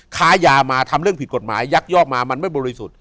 ค้ายามาทำเรื่องผิดกฎหมายยักยอกมามันไม่บริสุทธิ์